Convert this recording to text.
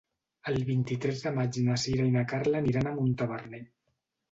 El vint-i-tres de maig na Sira i na Carla aniran a Montaverner.